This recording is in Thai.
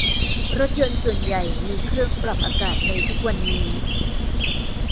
รถยนต์ส่วนใหญ่มีเครื่องปรับอากาศในทุกวันนี้